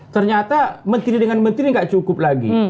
ternyata menteri dengan menteri tidak cukup lagi